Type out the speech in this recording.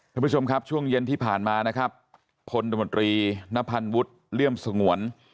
ท่านผู้ชมครับช่วงเย็นที่ผ่านมานะครับพลตมตรีนพันธ์วุฒิเลี่ยมสงวน